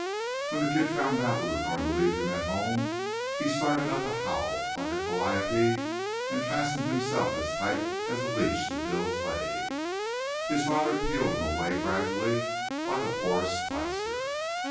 When the kid found out we were going to leave him at home he started up a howl like a calliope and fastened himself as tight as a leech to Bill's leg. His father peeled him away gradually, like a porous plaster.